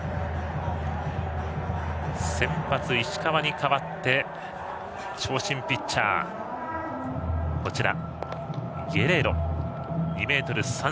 先発、石川に代わって長身ピッチャー、ゲレーロ。